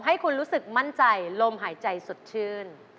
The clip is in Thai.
ให้คุณรู้สึกมั่นใจลมหายใจสดชื่น